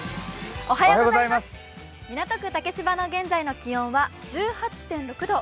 港区竹芝の現在の気温は１８．６度。